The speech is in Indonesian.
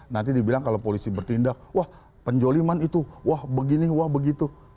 nanti dibilang kalau polisi bertindak wah penjoliman itu wah begini wah begitu